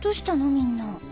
みんな。